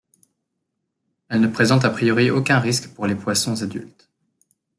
Elle ne présente a priori aucun risque pour les poissons adultes.